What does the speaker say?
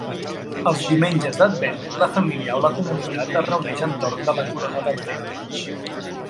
Els diumenges d'Advent, la família o la comunitat es reuneix entorn de la corona d'Advent.